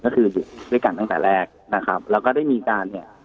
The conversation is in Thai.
ก็คืออยู่ด้วยกันตั้งแต่แรกนะครับแล้วก็ได้มีการเนี่ย